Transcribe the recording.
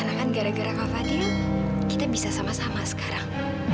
begere gere fadhil kita bisa sama sama sekarang